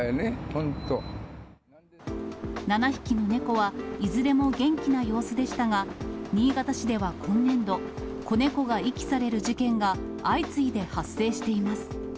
７匹の猫は、いずれも元気な様子でしたが、新潟市では今年度、子猫が遺棄される事件が相次いで発生しています。